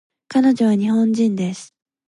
彼女は日本人です